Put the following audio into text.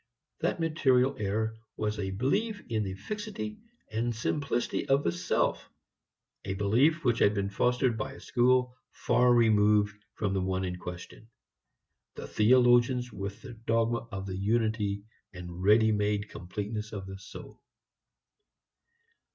That material error was a belief in the fixity and simplicity of the self, a belief which had been fostered by a school far removed from the one in question, the theologians with their dogma of the unity and ready made completeness of the soul.